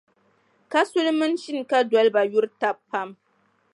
Kasuli mini Shinkadoliba yuri taba pam.